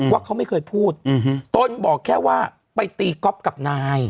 ว่าเขาไม่เคยพูดตนบอกแค่ว่าไปตีก๊อฟกับนาย